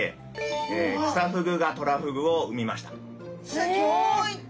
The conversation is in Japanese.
すギョい！